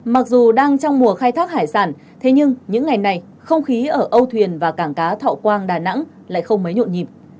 mặc dù đang trong mùa khai thác hải sản thế nhưng những ngày này không khí ở âu thuyền và cảng cá thọ quang đà nẵng lại không mấy nhộn nhịp